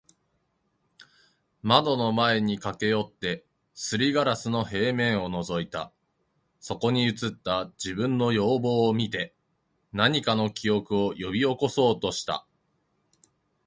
……窓の前に駈け寄って、磨硝子の平面を覗いた。そこに映った自分の容貌を見て、何かの記憶を喚び起そうとした。